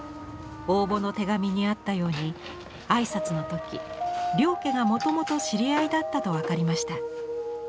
応募の手紙にあったように挨拶の時両家がもともと知り合いだったと分かりました。